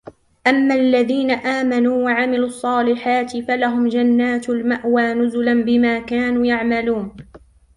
أما الذين آمنوا وعملوا الصالحات فلهم جنات المأوى نزلا بما كانوا يعملون